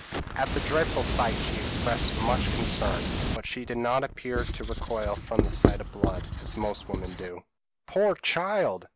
At the dreadful sight she expressed much concern; but she did not appear to recoil from the sight of blood, as most women do. "'Poor child!'